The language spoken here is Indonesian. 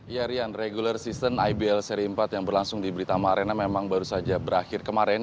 ya rian regular season ibl seri empat yang berlangsung di britama arena memang baru saja berakhir kemarin